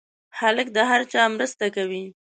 هلک د هر چا مرسته کوي.